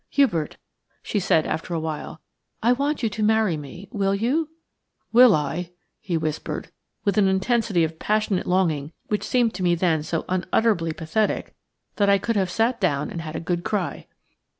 "Hubert," she said after a while, "I want you to marry me. Will you?" "Will I?" he whispered, with an intensity of passionate longing which seemed to me then so unutterably pathetic that I could have sat down and had a good cry.